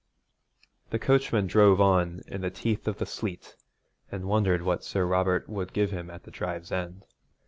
The coachman drove on in the teeth of the sleet and wondered what Sir Robert would give him at the drive's end.